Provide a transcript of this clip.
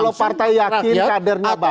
kalau partai yakin kadernya baik